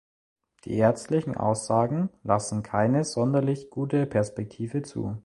Die ärztlichen Aussagen lassen keine sonderlich gute Perspektive zu.